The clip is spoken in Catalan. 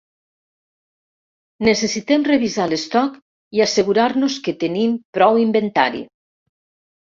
Necessitem revisar l'estoc, i assegurar-nos que tenim prou inventari